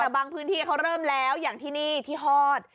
บางพื้นที่เขาเริ่มแล้วอย่างที่นี่ที่ฮอด